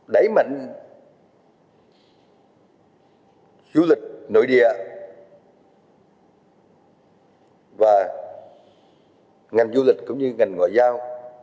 đẩy mạnh du lịch nội địa và ngành du lịch cũng như ngành ngoại giao